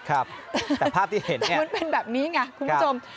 แต่ภาพที่เห็นเนี่ยมันเป็นแบบนี้ไงคุณผู้ชม